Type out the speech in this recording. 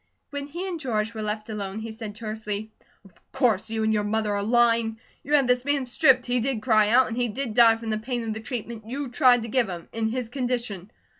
When he and George were left alone he said tersely: "Of course you and your mother are lying. You had this man stripped, he did cry out, and he did die from the pain of the treatment you tried to give him, in his condition.